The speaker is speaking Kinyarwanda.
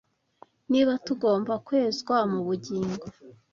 Niba tugomba kwezwa, mu bugingo